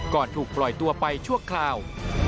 ก่อนถูกปล่อยตัวไปชั่วคราว